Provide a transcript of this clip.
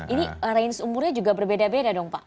ini range umurnya juga berbeda beda dong pak